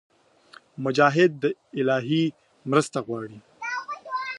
مجاهد د الهي مرسته غواړي.